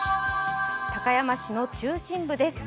高山市の中心部です。